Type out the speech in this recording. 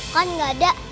kan gak ada